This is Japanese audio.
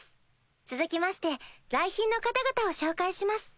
続きまして来賓の方々を紹介します。